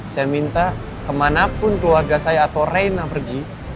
saya minta kemanapun keluarga saya atau reina pergi